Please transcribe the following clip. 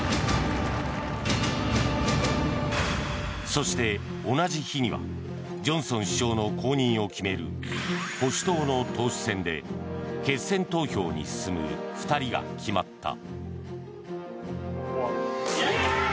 そして、同じ日にはジョンソン首相の後任を決める保守党の党首選で決選投票に進む２人が決まった。